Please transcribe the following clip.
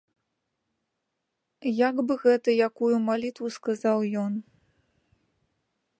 Як бы гэта якую малітву сказаў ён.